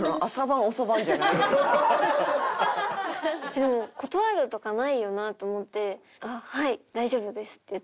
でも断るとかないよなと思って「はい大丈夫です」って言って。